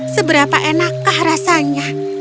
seberapa enakkah rasanya